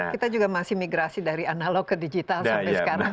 kita juga masih migrasi dari analog ke digital sampai sekarang